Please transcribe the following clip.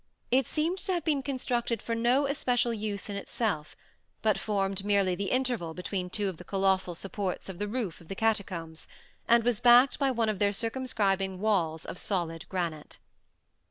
It seemed to have been constructed for no especial use in itself, but formed merely the interval between two of the colossal supports of the roof of the catacombs, and was backed by one of their circumscribing walls of solid granite.